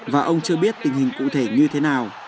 và ông chưa biết tình hình cụ thể như thế nào